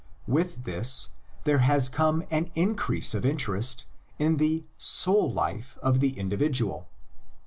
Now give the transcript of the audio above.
With this there has come an increase of interest in the soul life of the individual.